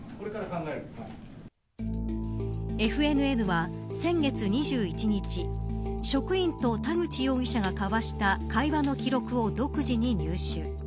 ＦＮＮは、先月２１日職員と田口容疑者が交わした会話の記録を独自に入手。